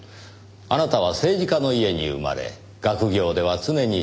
あなたは政治家の家に生まれ学業では常に首席。